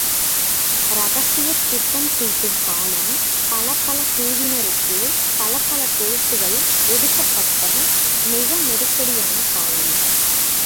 இரகசியத் திட்டம் தீட்டும் காலம் பலப்பல குழுவினருக்குப் பலப்பல பொறுப்புகள் ஒதுக்கப்பட்ட மிக தெருக்கடியான காலம்.